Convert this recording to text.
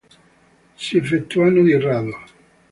Si effettuano di rado.